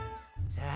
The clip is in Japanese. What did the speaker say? さあ